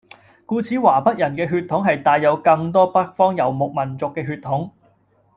故此華北人嘅血統係帶有更多北方遊牧民族嘅血統